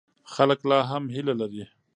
خلک لا هم هیله لري.